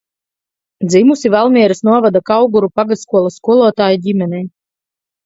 Dzimusi Valmieras novada Kauguru pagastskolas skolotāja ģimenē.